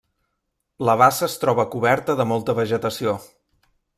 La bassa es troba coberta de molta vegetació.